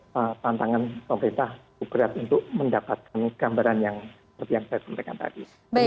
jadi tantangan pemerintah berat untuk mendapatkan gambaran yang seperti yang saya sebutkan tadi